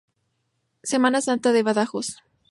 Semana Santa de Badajoz